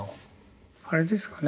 あれですかね